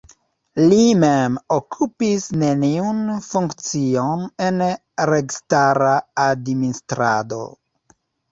Li mem okupis neniun funkcion en registara administrado.